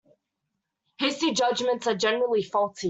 Hasty judgements are generally faulty.